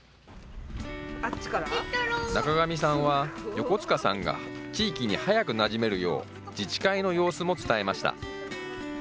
中上さんは横塚さんが地域に早くなじめるよう、自治会の様子も伝えました。